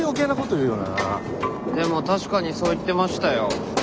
でも確かにそう言ってましたよ。